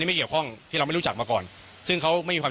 ไม่เกี่ยวข้องที่เราไม่รู้จักมาก่อนซึ่งเขาไม่มีความ